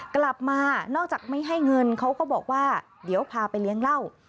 กลับมานอกจากไม่ให้เงินเขาก็บอกว่าเดี๋ยวพาไปเลี้ยงเหล้า